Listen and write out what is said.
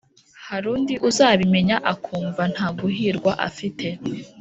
harundi uzabimenya akumva ntaguhirwa afite